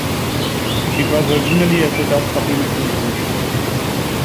It was originally a set of supplemental routes.